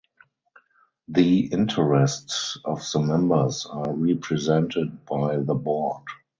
The interests of the members are represented by the Board.